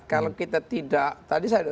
kalau kita tidak tadi saya